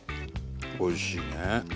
おいしいね。